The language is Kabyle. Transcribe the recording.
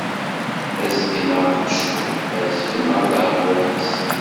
Azgen ɣer tqecwalt, azgen ɣer tɛebbuṭ-is.